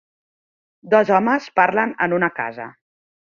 Dos homes parlen en una casa.